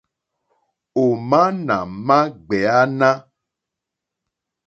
Ò má nà mà ɡbèáná.